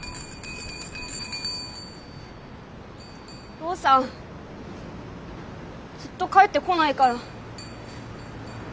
お父さんずっと帰ってこないから。